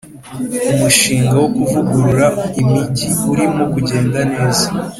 umushinga wo kuvugurura imijyi urimo kugenda neza.